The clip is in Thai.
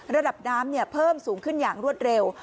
ระดับน้ำเพิ่มสูงขึ้นอย่างรวดเร็ว